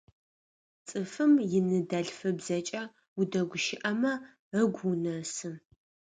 Цӏыфым иныдэлъфыбзэкӏэ удэгущыӏэмэ ыгу унэсы.